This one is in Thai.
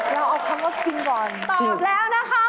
เราเอาคำว่าศึกราชันก่อน